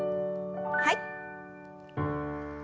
はい。